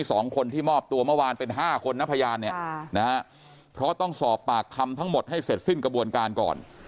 สองคนที่มอบตัวเมื่อวานเป็นห้าคนนะพยานเนี่ยค่ะนะฮะเพราะต้องสอบปากคำทั้งหมดให้เสร็จสิ้นกระบวนการก่อน